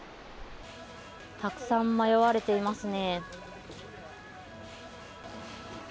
たくさん迷われていますね。